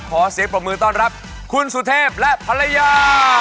ขอเสียงปรบมือต้อนรับคุณสุเทพและภรรยา